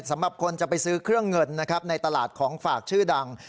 สำหรับคนจะไปซื้อเครื่องเงินนะครับในตลาดของฝากชื่อดัง